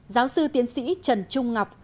giáo sư tiến sĩ trần trung ngọc